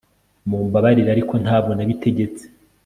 mumbabarire, ariko ntabwo nabitegetse